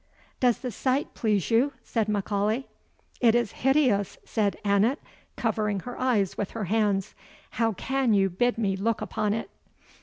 "Does the sight please you?" said M'Aulay. "It is hideous!" said Annot, covering her eyes with her hands; "how can you bid me look upon it?"